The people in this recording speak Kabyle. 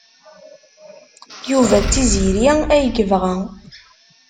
Yuba d Tiziri ay yebɣa.